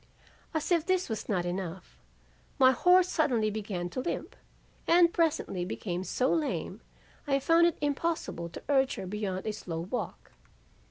As if this was not enough, my horse suddenly began to limp and presently became so lame I found it impossible to urge her beyond a slow walk.